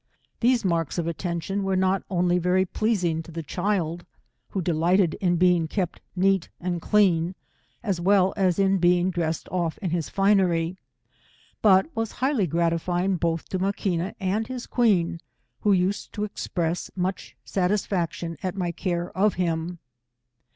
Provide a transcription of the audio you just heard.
These marks of attention were not only very pleasing to the child, who delighted in being kept neat and clean, as well as in being dressed off in his finery, but was highly gratifying 160 both to Maquina and his queen, who used to ex press much satisfaction at my care of him.